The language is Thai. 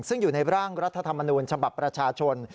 ซึ่งอยู่ในร่างรัฐธรรมนูญฉบับประชาชน